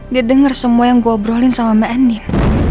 dia denger semua yang gue obrolin sama mbak endin